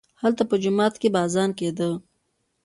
هلته په جومات کښې به اذان کېده.